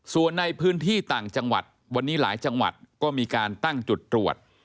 ส่วนในพื้นที่ต่างจังหวัดวันนี้หลายจังหวัดก็มีการตั้งจุดตรวจ